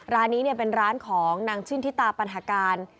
ร้านนี้เป็นร้านของนางชื่นทิตาปัญหาการ